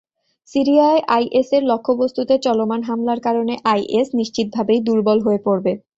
সিরিয়ায় আইএসের লক্ষ্যবস্তুতে চলমান হামলার কারণে আইএস নিশ্চিতভাবেই দুর্বল হয়ে পড়বে।